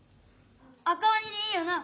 「赤おに」でいいよな？